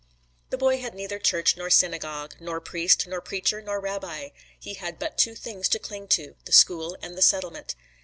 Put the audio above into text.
The boy had neither church nor synagogue, nor priest nor preacher nor rabbi; he had but two things to cling to, the school and the settlement.